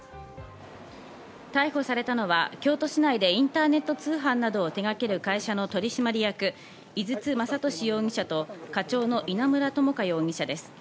逮捕されたのは京都市内でインターネット通販などを手がける会社の取締役・井筒雅俊容疑者と課長の稲村知香容疑者です。